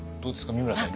美村さん